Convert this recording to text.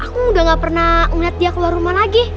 aku udah gak pernah ngeliat dia keluar rumah lagi